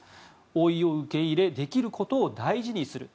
老いを受け入れできることを大事にする。